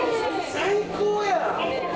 最高やん。